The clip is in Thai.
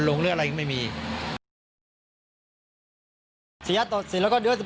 เพราะที่ยังมีกระโหลกศีรษะด้วย